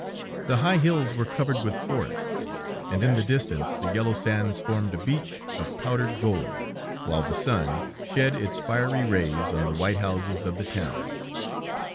The high hills were covered with forests, and in the distance the yellow sands formed a beach of powdered gold, while the sun shed its fiery rays on the white houses of the town.